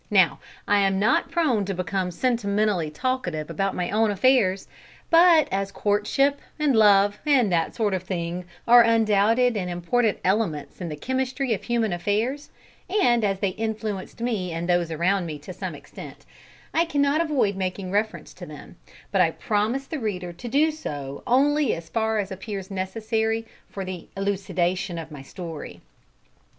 Now, I am not prone to become sentimentally talkative about my own affairs, but as courtship, and love, and that sort of thing are undoubted and important elements in the chemistry of human affairs, and as they influenced me and those around me to some extent, I cannot avoid making reference to them, but I promise the reader to do so only as far as appears necessary for the elucidation of my story.